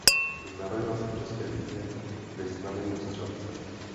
Narodila se v České Lípě ve znamení střelce.